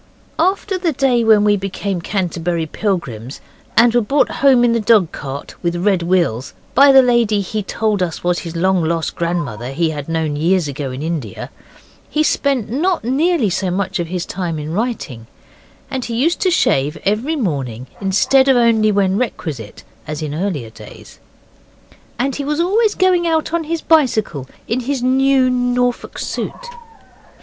After the day when we became Canterbury Pilgrims and were brought home in the dog cart with red wheels by the lady he told us was his long lost grandmother he had known years ago in India, he spent not nearly so much of his time in writing, and he used to shave every morning instead of only when requisite, as in earlier days. And he was always going out on his bicycle in his new Norfolk suit.